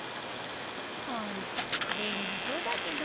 ホント便利そうだけどね